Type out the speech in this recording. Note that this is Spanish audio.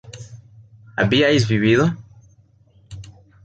¿habíais vivido?